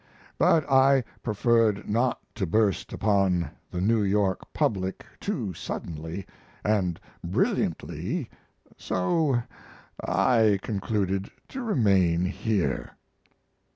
But I preferred not to burst upon the New York public too suddenly and brilliantly, so I concluded to remain here.